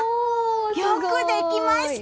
よくできました！